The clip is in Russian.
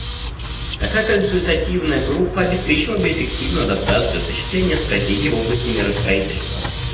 Такая консультативная группа обеспечила бы эффективную адаптацию и осуществление стратегий в области миростроительства.